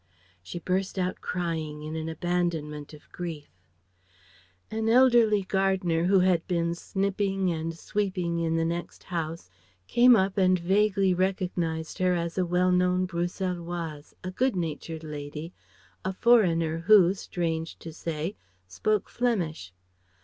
She burst out crying in an abandonment of grief. An elderly gardener who had been snipping and sweeping in the next house came up and vaguely recognized her as a well known Bruxelloise, a good natured lady, a foreigner who, strange to say, spoke Flemish.